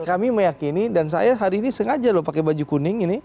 dan kami meyakini dan saya hari ini sengaja loh pakai baju kuning ini